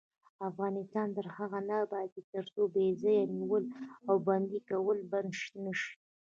افغانستان تر هغو نه ابادیږي، ترڅو بې ځایه نیول او بندي کول بند نشي.